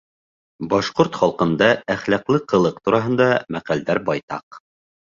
Башҡорт халҡында әхлаҡлы ҡылыҡ тураһында мәҡәлдәр байтаҡ.